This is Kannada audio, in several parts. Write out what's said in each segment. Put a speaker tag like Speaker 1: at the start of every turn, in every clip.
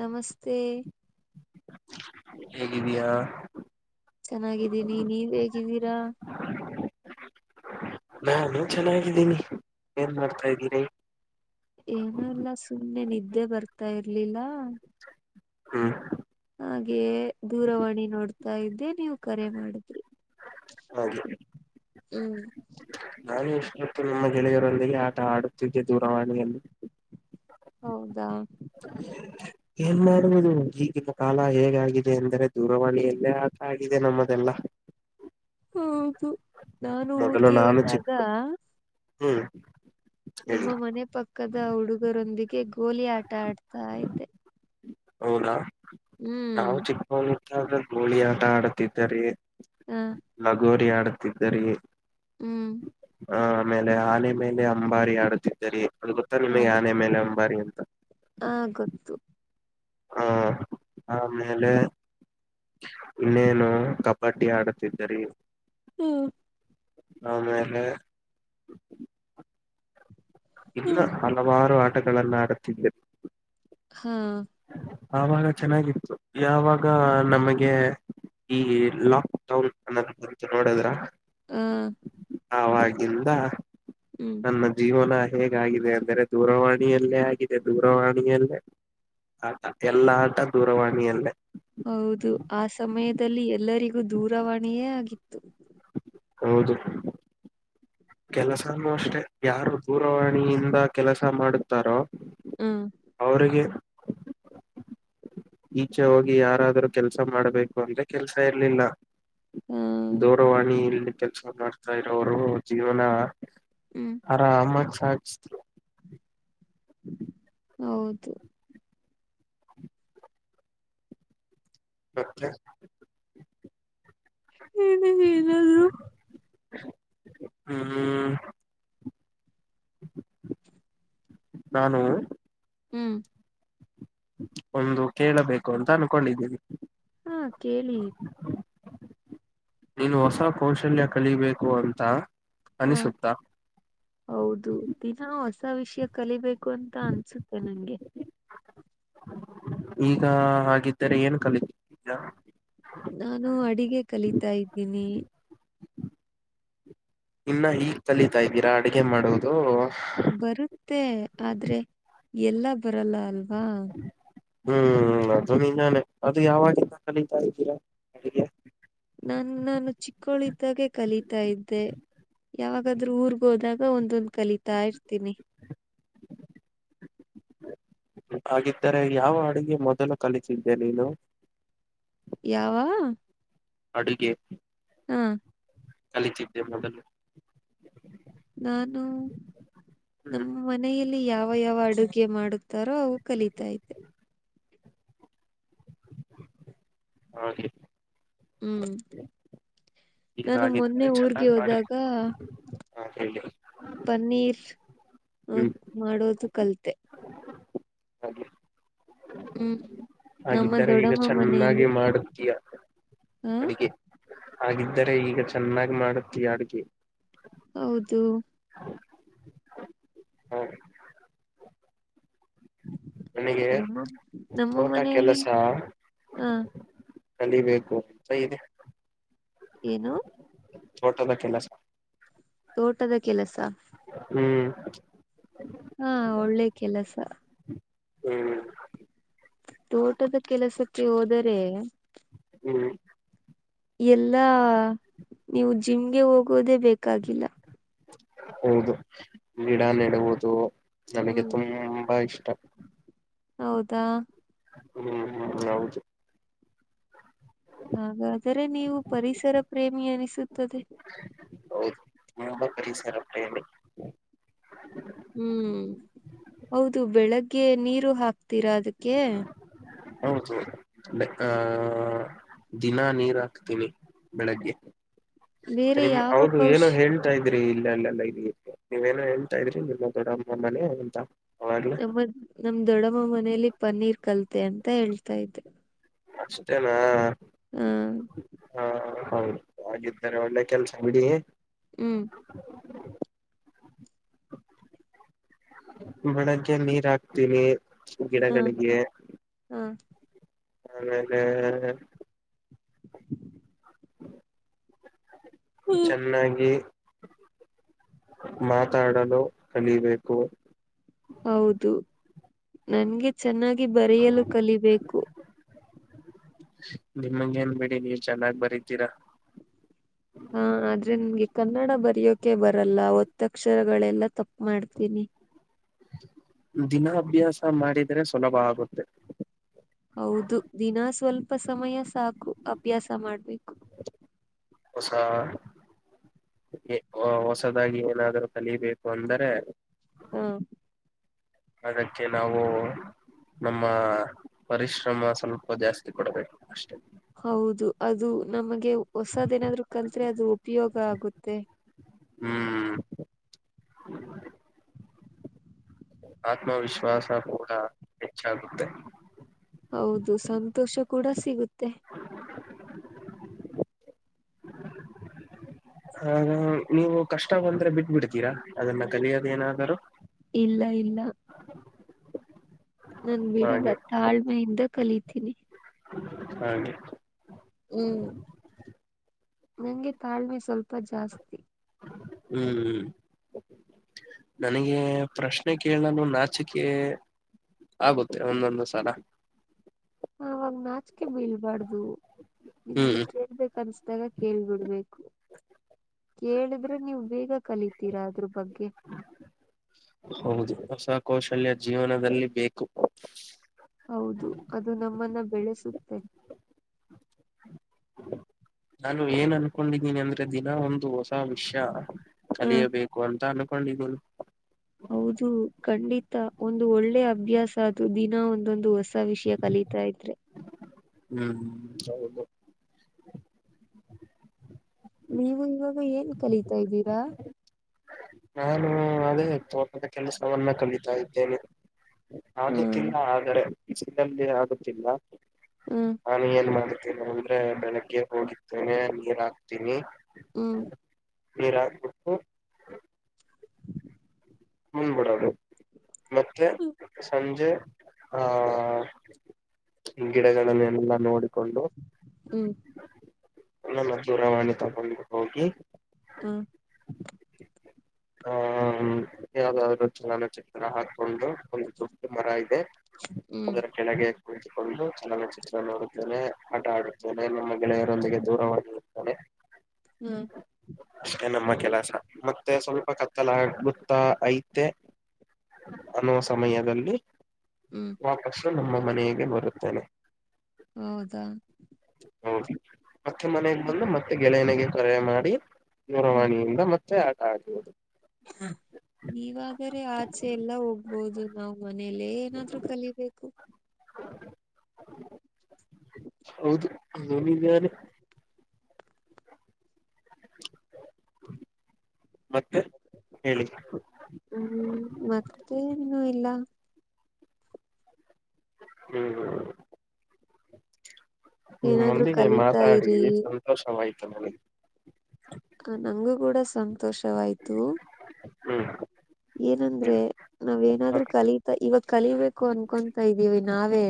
Speaker 1: ನಮಸ್ತೆ
Speaker 2: ಹಗಿದೆಯ
Speaker 1: ಚೆನ್ನಾಗಿದ್ದೀನಿ ನೀವ್ ಹೇಗಿದ್ದೀರಾ
Speaker 2: ನಾನು ಚೆನ್ನಾಗಿದ್ದೀನಿ ಏನ್ ಮಾಡ್ತಾ ಇದ್ದೀನಿ
Speaker 1: ಏನಲ್ಲ ಸುಮ್ಮ್ನೆ ನಿದ್ದೆ ಬರ್ತಾ ಇರ್ಲಿಲ್ಲ
Speaker 2: ಹ್ಮ್
Speaker 1: ಹಾಗೆ ದೂರವಾಣಿ ನೋಡ್ತಾ ಇದ್ದೆ ನೀವು ಕರೆ ಮಾಡಿದ್ರಿ
Speaker 2: ಹಾಗೆ
Speaker 1: ಹ್ಮ್
Speaker 2: ನಾನು ಇಷ್ಟೊತ್ತು ನಮ್ಮ ಗೆಳೆಯರೊಂದಿಗೆ ಆಟ ಆಡುತ್ತಿದ್ದೆ ದೂರವಾಣಿ
Speaker 1: ಹೌದಾ
Speaker 2: ಎಲ್ಲಾರ ಈಗಿನ ಕಾಲ ಹೇಗಾಗಿದೆ ಅಂದರೆ ದೂರವಾಣಿಯಲ್ಲೇ ಆ ನಮ್ಮದೆಲ್ಲಾ
Speaker 1: ಹೌದು ನಾನು ಊರ್ಗೆ
Speaker 2: ನಾನು
Speaker 1: ಹೋದಾಗ
Speaker 2: ಚಿಕ್ಕ ಹ್ಮ್
Speaker 1: ನಮ್ಮ
Speaker 2: ಹೇಳಿ
Speaker 1: ಮನೆ ಪಕ್ಕದ ಹುಡುಗರೊಂದಿಗೆ ಗೋಲಿ ಆಟ ಆಡ್ತಾ
Speaker 2: ಹೌದಾ
Speaker 1: ಹ್ಮ್
Speaker 2: ನಾವು ಚಿಕ್ಕಮಳೂರ್ ಗೋಳಿ ಆಟ ಆಡತಿದ್ದಿದ್ದಾರೆ
Speaker 1: ಹ
Speaker 2: ಲಗೋರಿ ಆಡುತ್ತಿದ್ದರೆಯೇ
Speaker 1: ಹ್ಮ್
Speaker 2: ಹ ಆಮೇಲೆ ಆನೆ ಮೇಲೆ ಅಂಬಾರಿ ಆಡುತ್ತಿದ್ದರಿ ಅದು ಗೊತ್ತ
Speaker 1: ಹ
Speaker 2: ನಿಮಗೆ ಆನೆ ಮೇಲೆ ಅಂಬಾರಿ ಅಂತ
Speaker 1: ಹ ಗೊತ್ತು
Speaker 2: ಹಾ ಆಮೇಲೆ ಇನ್ನೇನು ಕಬಡ್ಡಿ ಆಡುತ್ತಿದ್ದರಿ.
Speaker 1: ಹ್ಮ್
Speaker 2: ಆದೇಲೆ ಇಲ್ಲ
Speaker 1: ಹ್ಮ್
Speaker 2: ಹಲವಾರು ಆಟಗಳನ್ನ ಆಡುತ್ತಿದ್ದೆ
Speaker 1: ಹೂ
Speaker 2: ಆವಾಗ ಚೆನ್ನಾಗಿತ್ತು ಯಾವಾಗ ನಮಗೆ ಈ ಲಾಕ್ಡೌನ್ ಅನ್ನೋ ಬಂತ ನೋಡದ್ರಾ.
Speaker 1: ಹ್ಮ
Speaker 2: ಆವಾಗಿಂದ ನನ್ನ ಜೀವನಾ, ಹೇಗಾಗಿದೆ ಅಂದರೆ ದೂರವಾಣಿಯಲ್ಲೇ ಆಗಿದೆ ದೂರವಾಣಿಯಲ್ಲೇ ಆಟ ಎಲ್ಲಾ ಆಟ ದೂರವಾಣಿಯಲ್ಲೇ
Speaker 1: ಹೌದು ಆ ಸಮಯದಲ್ಲಿ ಎಲ್ಲರಿಗೂ ದೂರವಾಣಿಯೇ ಆಗಿತ್ತು.
Speaker 2: ಹೌದು ಕೆಲಸಾನೂ ಅಷ್ಟೆ ಯಾರು ದೂರವಾಣಿಯಿಂದ ಕೆಲಸ ಮಾಡುತ್ತಾರೋ
Speaker 1: ಹ್ಮ
Speaker 2: ಅವರಿಗೆ, ಈಚೆ ಹೋಗಿ ಯಾರಾದ್ರೂ ಕೆಲ್ಸ ಮಾಡ್ಬೇಕು ಅಂದ್ರೆ ಕೆಲ್ಸ ಇರ್ಲಿಲ್ಲಾ
Speaker 1: ಹಾ
Speaker 2: ದೂರವಾಣಿ ಇಲ್ಲಿ ಕೆಲಸ ಮಾಡ್ತಾ ಇರೋವರು ಜೀವನಾ
Speaker 1: ಹ್ಮ್
Speaker 2: ಆರಾಮ ಸಾ
Speaker 1: ಹೌದು
Speaker 2: ಮತ್ತೆ
Speaker 1: [unintelligible]
Speaker 2: ಹ್ಮ ನಾನು
Speaker 1: ಹ್ಮ್
Speaker 2: ಒಂದು ಕೇಳಬೇಕು ಅಂತ ಅನ್ಕೊಂಡಿದ್ದೀನೀ
Speaker 1: ಹಾ ಕೇಳಿ
Speaker 2: ನೀನು ಹೊಸ ಕೌಶಲ್ಯ ಕಲಿಬೇಕು ಅಂತಾ
Speaker 1: ಹಾ ಹೌದು ದಿನ ಅಷ್ಟ ಹೊಸ ವಿಷಯ ಕಲಿಬೇಕು ಅಂತ ಅನ್ಸುತ್ತೆ ನಂಗೆ.
Speaker 2: ಈಗ ಹಾಗಿದ್ದರೆ ಏನ್ ಕಲಿತ ಈಗಾ
Speaker 1: ನಾನು ಅಡಿಗೆ ಕಲಿತಾ ಇದ್ದೀನಿ
Speaker 2: ಇನ್ನ ಈಗ್ ಕಲೀತಾ ಇದ್ದೀರಾ ಅಡಗೆ ಮಾಡೊದು
Speaker 1: ಬರುತ್ತೆ ಆದ್ರೆ ಎಲ್ಲಾ ಬರಲ್ಲ ಅಲ್ವಾ
Speaker 2: ಹ್ಮ್ ಅದು ನಿಜಾನೆ ಅದು ಯಾವಾಗಿಂದ ಕಲಿತಾ ಇದ್ದೀರಾ
Speaker 1: ನಾನ್ನುನ್ ಚಿಕ್ಕಳಿದ್ದಾಗೆ ಕಲೀತಾ ಇದ್ದೆ. ಯಾವಾಗಾದ್ರೂ ಊರ್ಗ ಹೋದಾಗ ಒಂದೊಂದ್ ಕಲಿತಾ ಇರ್ತೀನಿ
Speaker 2: [unintelligible] ಹಾಗಿದ್ದರೆ ಯಾವ ಅಡುಗೆ ಮೊದಲು ಕಲಿತ್ತಿದ್ದೆ ನೀನು
Speaker 1: ಯಾವ
Speaker 2: ಅಡಿಗೆ
Speaker 1: ಹಾ
Speaker 2: [unintelligible]
Speaker 1: ನಾನು
Speaker 2: ಹ್ಮ್
Speaker 1: ನಮ್ಮ ಮನೆಯಲ್ಲಿ ಯಾವ ಯಾವ ಅಡುಗೆ ಮಾಡುತ್ತ ತಾರೋ ಅವು ಕಲೀತಾ ಇದ್ದೆ
Speaker 2: [unintelligible]
Speaker 1: ಹ್ಮ್ ನಾನು ಮೊನ್ನೆ
Speaker 2: ಹೀಗಾಗಿದ್ದರೆ
Speaker 1: ಊರ್ಗೆ
Speaker 2: ಚೆನ್ನಾಗ್ ಮಾಡಿ
Speaker 1: ಹೋದಾಗ
Speaker 2: ಹಾ ಹೇಳಿ
Speaker 1: ಪನ್ನೀರ್
Speaker 2: ಹ್ಮ್
Speaker 1: ಮಾಡೋದು ಕಲತೆ ಹೂ
Speaker 2: ಹಾಗಿದ್ದಾರೆ ಈಗ ಚೆನ್ನಾಗಿ ಮಾಡತೀಯಾ
Speaker 1: ಹ
Speaker 2: ಅಡಿಗೆ. ಹಾಗಿದ್ದರೆ ಈಗ ಚೆನ್ನಾಗಿ ಮಾಡುತ್ತಿ ಅಡುಗೆ
Speaker 1: ಹೌದು
Speaker 2: ಹ ನನಗೆ
Speaker 1: ನಮ್ಮ ನಮ್ಮ
Speaker 2: ತೋಟ
Speaker 1: ಮನೆಯಲ್ಲಿ
Speaker 2: ಕೆಲಸ
Speaker 1: ಹ
Speaker 2: ಕಲಿಬೇಕು ಸೈ ಇದೆ
Speaker 1: ಏನು
Speaker 2: ತೋಟದ ಕೆಲ್ಲಸ
Speaker 1: ಪಊಟದ ಕೆಲಸ
Speaker 2: ಹ್ಮ್
Speaker 1: ಹಾ ಒಳ್ಳೆ ಕೆಲಸ
Speaker 2: ಹ್ಮ್
Speaker 1: ತೋಟದ ಕೆಲಸಕ್ಕೆ ಹೋದರೆ
Speaker 2: ಹ್ಮ್
Speaker 1: ಎಲ್ಲಾ ನೀವು ಜಿಮ್ಗೆ ಹೋಗೋದೇ ಬೇಕಾಗಿಲ್ಲ
Speaker 2: ಹೌದು ಗಿಡ ನೆಡುವುದು ನನಗೆ
Speaker 1: ಹ್ಮ್
Speaker 2: ತುಂಬಾ ಇಷ್ಟ ತಪ್ಪ
Speaker 1: ಹೌದಾ
Speaker 2: ಹ್ಮ್ ಹ್ಮ್ ಹೌದು
Speaker 1: ಹಾಗಾದರೆ ನೀವು ಪರಿಸರ ಪ್ರೇಮಿ ಅನಿಸುತ್ತದೆ
Speaker 2: ಹೌದುಂಬ ಕರಿ ಸರ್ ಅಲ್ಲಿ
Speaker 1: ಹ್ಮ್ ಹೌದು ಬೆಳಗ್ಗೆ ನೀರು ಹಾಕ್ತೀರಾ ಅದಕ್ಕೆ
Speaker 2: ಹೌದು ಆ ದಿನಾ ನೀರ್ ಹಾಕ್ತೀನಿ ಬೆಳಗ್ಗೆ
Speaker 1: ಬೇರೆ
Speaker 2: ನಿಮ
Speaker 1: ಯಾವ
Speaker 2: ಅವರು ಏನೋ
Speaker 1: ಕೌಶ್
Speaker 2: ಹೇಳ್ತಾ ಇದ ಇದ್ರಿ ಇಲ್ಲ ಇಲ್ಲೆಲ್ಲ ಇರಿ ನೀವೇನೋ ಹೇಳ್ತಾ ಇದ್ರಿ ನಿಮ್ಮ ದೊಡ್ಡ ಅಮ್ಮ ಮನೆ ಅಂತ ಅವಾಗ್ಲ
Speaker 1: ನಮ್ಮ ನಮ ದೊಡ್ಡಮ್ಮ ಮನೇಲಿ ಪನ್ನೀರ್ ಕಲತೆೆ ಅಂತ ಹೇಳ್ತಾ ಇದ್ರು
Speaker 2: ಅಷ್ಟೇನಾ
Speaker 1: ಹ್ಮ
Speaker 2: ಹ ಹೌದು ಹಾಗರೆ ಒಳ್ಳೆ ಕೆಲಸ ಬಿಡಿ
Speaker 1: ಹ್ಮ್
Speaker 2: ಬೆಳಗ್ಗೆ ನೀರ್ ಹಾಕ್ತೀನಿ
Speaker 1: ಹ
Speaker 2: ಗಿಡಗಳಿಗೆ
Speaker 1: ಹ
Speaker 2: ಆೇಲೆ
Speaker 1: ಹ್ಮ್.
Speaker 2: ಚೆನ್ನಾಗಿ ಮಾತಾಡಲು ಕಲಿಬೇಕು
Speaker 1: ಹೌದು ನನ್ಗೆ ಚೆನ್ನಾಗಿ ಬರೆಯಲು ಕಲಿಬೇಕು
Speaker 2: ನಿಮ್ಮಗೆೇನ್ ಬಿಡಿ ನೀರ್ ಚೆನ್ನಾಗಿ ಬರೀತೀರಾ
Speaker 1: ಹಾ ಆದ್ರೆ ನಮ್ಗೆ ಕನ್ನಡ ಬರಯೋಕೆ ಬರಲ್ಲ ಒತ್ತಕ್ಷರಗಳೆಲ್ಲಾ ತಪ್ಪ ಮಾಡ್ತೀನಿ
Speaker 2: ದಿನಾಭ್ಯಾಸ ಮಾಡಿದರೆೆ ಸುಲಭ ಆಗುತ್ತೆ
Speaker 1: ಹೌದು ದಿನ ಸ್ವಲ್ಪ ಸಮಯ ಸಾಕು ಅಭ್ಯಾಸ ಮಾಡ್ಬೇಕು
Speaker 2: ಹೊಸ ಹೊಸದಾಗಿ ಏನಾದ್ರೂ ಕಲಿಬೇಕು ಅಂದರೆ
Speaker 1: ಹಾ
Speaker 2: ಅದಕ್ಕೆ ನಾವು.... ನಮ್ಮ.... ಪರಿಶ್ರಮ ಸ್ವಲ್ಪ ಜಾಸ್ತಿ ಕೊಡ್ಬೇಕು ಅಷ್ಟೇ
Speaker 1: ಹೌದು ಅದು ನಮಗೆ ಹೊಸದೇನಾದ್ರು ಕಲ್ತ್ರೆ ಅದು ಉಪಯೋಗ ಆಗುತ್ತೆ
Speaker 2: ಹ್ಮ್ ಆತ್ಮವಿಶ್ವಾಸ ಕೂಡ ಹೆಚ್ಚಾಗುತ್ತೆ [unintelligible]
Speaker 1: ಹೌದು ಸಂತೋಷ ಕೂಡ ಸಿಗುತ್ತೆ
Speaker 2: ಆ ನೀವು ಕಷ್ಟ ಬಂದ್ರೆ ಬಿಟ್ಬ ಬಿಡ್ತೀರಾ ಅದನ್ನ ಕಲಿಯೋದ ಏನಾದರುೂ [unintelligible]
Speaker 1: ಇಲ್ಲ ಇಲ್ಲ ನನ್ ಬಿಡಲ್ಲ
Speaker 2: ಹಾಗೆ
Speaker 1: ತಾಳ್ಮೆಯಿಂದ ಕಲಿತೀನಿ
Speaker 2: ಹಾಗೆ
Speaker 1: ಹ್ಮ್ ನಂಗೆ ತಾಳ್ಮೆ ಸ್ವಲ್ಪ ಜಾಸ್ತಿ
Speaker 2: ಹ್ಮ್ ಹ್ಮ್ [unintelligible] ನನಗೆ ಪ್ರಶ್ನೆ ಕೇಳಲು ನಾಚಿಕೆ ಆಗುತ್ತೆ ಒಂದೊಂದು ಸಲ
Speaker 1: ಆವಾಗ ನಾಚಿಕೆ ಬೀಳ್ಬಾರ್ದು ನಿಮ್ಗೆ
Speaker 2: ಹ್ಮ್
Speaker 1: ಕೇಳ್ಬೇಕನ್ಸ್ದಾಗ ಕೇಳ್ಬಿಡ್ಬೇಕು ಕೇಳಿದ್ರೆ ನೀವು ಬೇಗ ಕಲಿತೀರಾ ಅದ್ರು ಬಗ್ಗೆ
Speaker 2: ಹೌದು ಹೊಸ ಕೌಶಲ್ಯ ಜೀವನದಲ್ಲಿ ಬೇಕು
Speaker 1: ಹೌದು ಅದು ನಮ್ಮನ್ನ ಬೆಳೆಸುತ್ತೆ
Speaker 2: ನಾನು ಏನ್ ಅನ್ಕೊಂಡಿದ್ದೀನಿ ಅಂದ್ರೆ ದಿನ ಒಂದು ಹೊಸ ವಿಷ್ಯ
Speaker 1: ಹ
Speaker 2: ಕಲಿಯಬೇಕು ಅಂತ ಅನ್ಕೊಂಡಿದಿನಿ
Speaker 1: ಹೌದು ಖಂಡಿತ ಒಂದು ಒಳ್ಳೆ ಅಭ್ಯಾಸ್ ಅದು ದಿನ ಒಂದೊಂದು ಹೊಸ ವಿಷಯ ಕಲಿತಾ ಇದ್ರೆ
Speaker 2: ಹ್ಮ್ ಹ್ಮು ಹೌದು
Speaker 1: ನೀವು ಇವಾಗ ಏನ್ ಕಲಿತಾ ಇದ್ದೀರಾ
Speaker 2: ನಾನು ಅದೇ ತೋಟದ ಕೆಲಸವನ್ನ ಕಲಿತಾ ಇದ್ದೇನೆ
Speaker 1: ಹ್ಮ್
Speaker 2: ಆಗುತ್ತಿಲ್ಲ ಆದರೆೆ [unintelligible] ಆಗುತ್ತಿಲ್ಲ
Speaker 1: ಹ್ಮ್
Speaker 2: ಹಾ ನೀ ಏನ್ ಮಾಡು ಕೆಲವಂದ್ರೆ ಬೆಳಗ್ಗೆ ಹೋಗತ್ತೇನೆ ನೀರ್ ಹಾಕ್ತೀನಿ
Speaker 1: ಹ್ಮು
Speaker 2: ನೀರ್ ಹಾಕ್ಬಿಟ್ಟು ಮುಂದ್ಬಿಡೋದು ಮತ್ತೆ
Speaker 1: ಹ್ಮ್
Speaker 2: ಸಂಜೆ ಹಾಹಾ ಗಿಡಗಳನ್ನೆಲ್ಲ ಎಲ್ಲಾ ನೋಡ್ ಕೊಂಡು ನನ್ನ ದೂರವಾಣಿ ತಗೊಂಡು ಹೋಗಿ
Speaker 1: ಹ್ಮ್
Speaker 2: ಆಹಾ ಯಾವ್ದಾದ್ರು ಚಲನ ಚಿತ್ರ ಹಾಕೊಂಡು ಒಂದು ದೊಡ್ಡ ಮರ ಇದೆ
Speaker 1: ಹ್ಮ್
Speaker 2: ಅದರ ಕೆಳಗೆ ಕುಳಿತುಕೊಂಡು ಚಲನಚಿತ್ರ ನೋಡುತ್ತೇನೆ ಆಟ ಆಡುತ್ತೇನೆ ನಮ್ಮ ಗೆಳೆಯರೊಂದಿಗೆ ದೂರವಾಣಿ ಹೊಗೆ
Speaker 1: ಹ್ಮು
Speaker 2: ಅಷ್ಟೆ ನಮ್ಮ ಕೆಲಸ ಮತ್ತೆ ಸ್ವಲ್ಪ ಕತ್ತಲ ಆಗ್ಬ ಟ ಐತೆ ಅನ್ನೋ ಸಮಯದಲ್ಲಿ
Speaker 1: ಹ್ಮ್
Speaker 2: ವಾಪಸ್ ನಮ್ಮ ಮನಗೆ ಬರುತ್ತೇನೆ
Speaker 1: ಹೌದಾ
Speaker 2: ಹೌದು ಮತ್ತೆ ಮನೆಗೆ ಬಂದು ಮತ್ತೆ ಗೆಳೆಯನಗೆ ಕರೆ ಮಾಡಿ ದೂರವಾಣಿಯಿಂದ ಮತ್ತೆ ಆಟ ಆಡುವುದು
Speaker 1: ನೀವಾದರೆೆ ಆಚೆ ಎಲ್ಲಾ ಹೋಗ್ಬೋದು ನಾವ್ ಮನೇಲೆ ಏನಾದ್ರು ಕಲಿಬೇಕು
Speaker 2: ಹೌದು ಅದು ನಿಜ ರಿ ಮತ್ತೆ ಹೇಳಿ
Speaker 1: ಹ್ಮ್ಂ ಮತ್ತೇನು ಇಲ್ಲ
Speaker 2: ಹ್ಮೂಹ್ಮ್
Speaker 1: ಏನಾದ್ರು
Speaker 2: ನಿಮ್ಮೊಂದಿಗೆ
Speaker 1: ಕಲಿತಾ
Speaker 2: ಮಾತಾಡಿ
Speaker 1: ಇರಿ
Speaker 2: ಸಂತೋಷವಾಯ್ತು ನನಗೆ
Speaker 1: ಹ ನಂಗೂ ಕೂಡ ಸಂತೋಷವಾಯ್ತು
Speaker 2: ಹ್ಮ್
Speaker 1: ಏನಂದ್ರೆ
Speaker 2: ಹೇಳಿ ಹ
Speaker 1: ನಾವೇನಾದ್ರು ಕಲಿತಾ ಇವತ್ ಕಲಿಬೇಕು ಅನ್ಕೊಂತ ಇದ್ದೀವಿ ನಾವೇ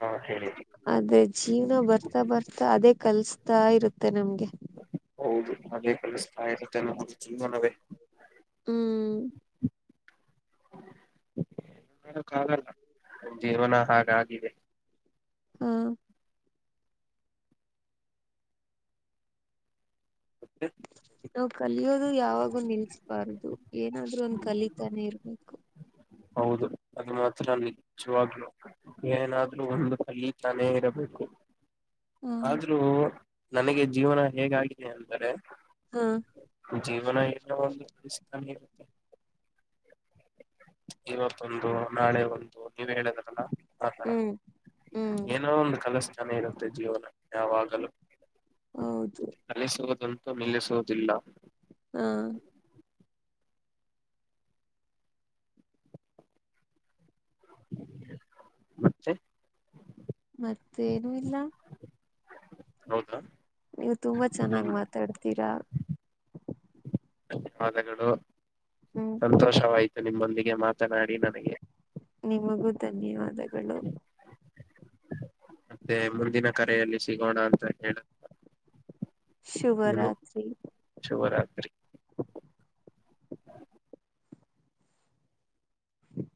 Speaker 2: ಹಾ ಹೇಳಿ
Speaker 1: ಅದೇ ಜೀವ್ನ ಬರ್ತಾ ಬರ್ತಾ ಅದೇ ಕಲ್ಸ್ತಾ ಇರುತ್ತೆ ನಮ್ಗೆ
Speaker 2: ಹೌದು ಅದೇ ಕಲಿಸ್ತಾ ಇರುತ್ತೆ ನಮಗೆ ಜೀವನವೇ
Speaker 1: ಹ್ಮೂ
Speaker 2: ಕ್ಕಾಗಲ್ಲ ನಮ್ ಜೀವನ ಹಾಗಾಗಿದೆ
Speaker 1: ಹ್ಮು
Speaker 2: ಮತ್ತೆ
Speaker 1: ನಾವು ಕಲಿ ಅದು ಯಾವಾಗೂ ನಿಲ್ಸ್ಬಾರದು ಏನಾದ್ರು ಒಂದ ಕಲಿತಾನೆ ಇರ್ಬೇಕು
Speaker 2: ಹೌದು ಅದು ಮಾತ್ರ ನಿಜವಾಗ್ಲು ಏನಾದ್ ಒಂದು ಹಲ್ಲಿ ತಾನೇ ಇರಬೇಕು
Speaker 1: ಹಾ
Speaker 2: ಆದ್ರೂ ನನಗೆ ಜೀವನ ಹೇಗಾಗಿದೆ ಅಂದರೆ
Speaker 1: ಹಾ
Speaker 2: ಜೀವನ ಎಲ್ಲೋ ಒಂದು ಪ್ತಾನ ಇರುತ್ತೆ ಇವತ್ತೊಂದು ನಾಳೆ ಒಂದು ನೀವ ಹೇಳಿದ್ರಲ್ಲ ಹ
Speaker 1: ಹ್ಮ್ ಹ್ಮ್
Speaker 2: ಏನೋ ಒಂದು ಕಲಸ್ನ ಇರುತ್ತೆ ಜೀವನ ಯಾವಾಗಲೂ
Speaker 1: ಹೌದು
Speaker 2: ಅಲಿಸುವುದಂತೂ ನಿಲ್ಲಿಸುವುದಿಲ್ಲ
Speaker 1: ಹಾ
Speaker 2: ಮತ್ತೆ
Speaker 1: ಮತ್ತೇನು ಇಲ್ಲ
Speaker 2: ಹೌದಾ
Speaker 1: ನೀವು ತುಂಬಾ ಚೆನ್ನಾಗ್
Speaker 2: ನಿಮ್
Speaker 1: ಮಾತಾಡ್ತೀರಾ
Speaker 2: ಧನ್ಯವಾದಗಳು
Speaker 1: ಹ್ಮ್
Speaker 2: ಸಂತೋಷವಾಯ್ತು ನಿಮ್ಮೊಂದಿಗೆ ಮಾತನಾಡಿ ನನಗೆ
Speaker 1: ನಿಮಗೂ ಧನ್ಯವಾದಗಳು
Speaker 2: ಮತ್ತೆ ಮುಂದಿನ ಕರೆಯಲ್ಲಿ ಸಿಗೋಣ ಅಂತ ಹೇಳ ನಿಮ
Speaker 1: ಶುಭರಾತ್ರಿ
Speaker 2: ಶುಭರಾತ್ರಿ
Speaker 1: ಹ್ಮ